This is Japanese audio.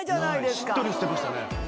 しっとりしてましたね。